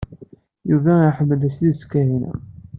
Yuba iḥemmel s tidet Kahina.